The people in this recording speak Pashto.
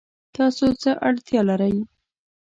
تاسو څه اړتیا لرئ؟